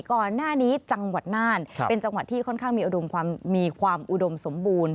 ก่อนหน้านี้จังหวัดน่านเป็นจังหวัดที่ค่อนข้างมีความอุดมสมบูรณ์